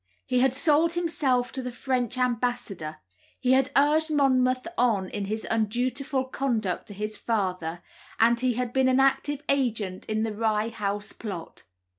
He had sold himself to the French ambassador, he had urged Monmouth on in his undutiful conduct to his father, and he had been an active agent in the Rye House Plot.